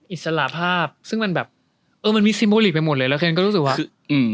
อิสระภาพซึ่งมันแบบเออมันมีซิโมลีกไปหมดเลยแล้วเคนก็รู้สึกว่าอืม